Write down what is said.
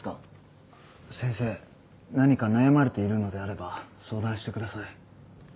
先生何か悩まれているのであれば相談してください。